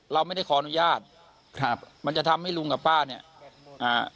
เราไม่ได้ขออนุญาตครับมันจะทำให้ลุงกับป้าเนี้ยอ่า